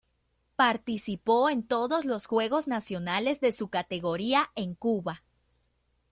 Participó en todos los juegos nacionales de su categoría en Cuba.